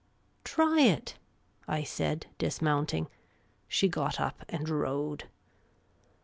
Try it !" I said, dismounting. She got up and rode.